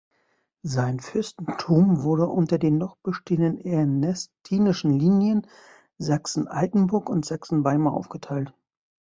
Sein Fürstentum wurde unter den noch bestehenden ernestinischen Linien Sachsen-Altenburg und Sachsen-Weimar aufgeteilt.